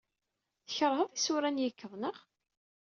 Tkeṛhed isura n yikkeḍ, naɣ?